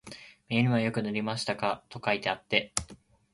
耳にもよく塗りましたか、と書いてあって、